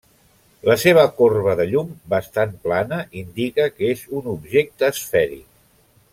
La seva corba de llum, bastant plana, indica que és un objecte esfèric.